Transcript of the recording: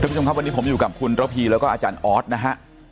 ผู้ชมครับวันนี้ผมอยู่กับคุณระพีแล้วก็อาจารย์ออสนะฮะ